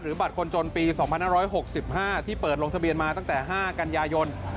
บัตรคนจนปี๒๕๖๕ที่เปิดลงทะเบียนมาตั้งแต่๕กันยายน